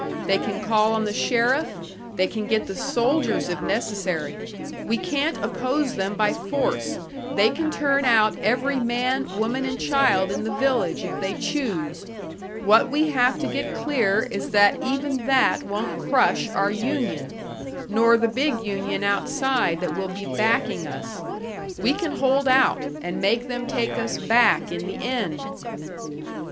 They can call on the sheriff, they can get the soldiers, if necessary! We can't oppose them by force they can turn out every man, woman and child in the village, if they choose. What we have to get clear is that even that won't crush our union! Nor the big union outside, that will be backing us! We can hold out, and make them take us back in the end!"